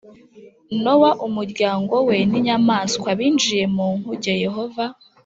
Nowa umuryango we n inyamaswa binjiye mu nkuge Yehova